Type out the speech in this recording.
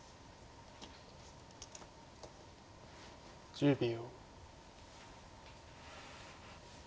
１０秒。